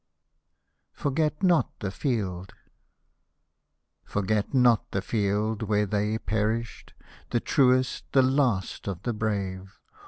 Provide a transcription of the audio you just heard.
FORGET NOT THE FIELD Forget not the field where they perished, The truest, the last of the brave.